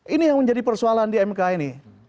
ini yang menjadi persoalan di mk ini